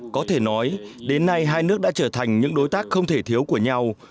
có thể nói đến nay hai nước đã trở thành những đối tác không thể thiếu của nhau